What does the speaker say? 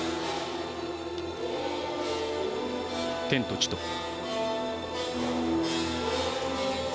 「天と地と」。